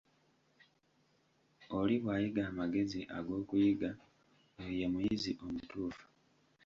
Oli bw'ayiga amagezi ag'okuyiga, oyo ye muyizi omutuufu.